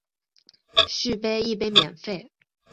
续杯一杯免费